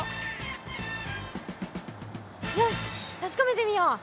よし確かめてみよう！